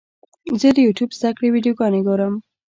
زه د یوټیوب زده کړې ویډیوګانې ګورم.